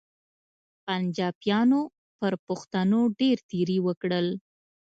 پنچاپیانو پر پښتنو ډېر تېري وکړل.